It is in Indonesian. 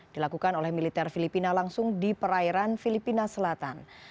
dilakukan oleh militer filipina langsung di perairan filipina selatan